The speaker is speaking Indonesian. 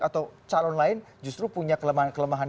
atau calon lain justru punya kelemahan kelemahan